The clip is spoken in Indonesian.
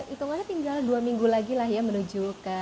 hitungannya tinggal dua minggu lagi lah ya menuju ke